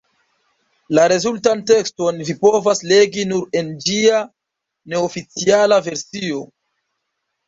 La rezultan tekston vi povas legi nur en ĝia neoficiala versio.